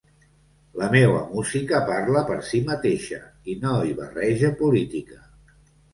La meua música parla per si mateixa, i no hi barrege política.